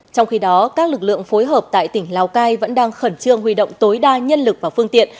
trong khi đó các lực lượng phối hợp tại tỉnh lào cai vẫn đang khẩn trương huy động tối đa nhân lực và phương tiện